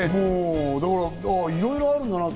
いろいろあるんだなって。